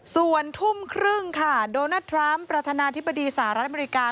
ส่วนทุ่มครึ่งค่ะโดนัลดทรัมป์ประธานาธิบดีสหรัฐอเมริกา